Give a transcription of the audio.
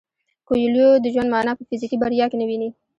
کویلیو د ژوند مانا په فزیکي بریا کې نه ویني.